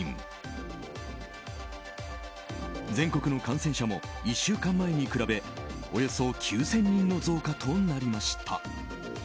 全国の感染者も、１週間前に比べおよそ９０００人の増加となりました。